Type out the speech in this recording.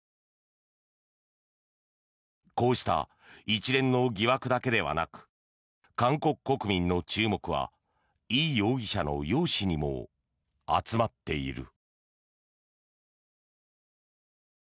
こうした一連の疑惑だけではなく韓国国民の注目はイ容疑者の容姿にも集まっている。